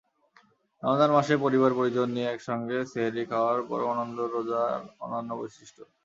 রমজান মাসে পরিবার-পরিজন নিয়ে একসঙ্গে সেহ্রি খাওয়ার পরম আনন্দ রোজার অনন্য বৈশিষ্ট্য।